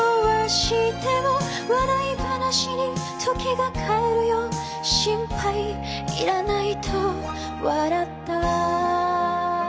「笑い話に時が変えるよ」「心配いらないと笑った」